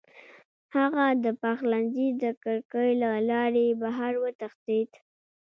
هغه د پخلنځي د کړکۍ له لارې بهر وتښتېد.